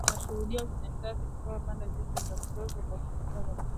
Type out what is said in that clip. Tunashuhudia unyanyasaji kutoka pande zote katika mzozo, aliongeza Valentine